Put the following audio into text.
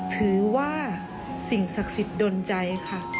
ถือว่าสิ่งศักดิ์สิทธิ์ดนใจค่ะ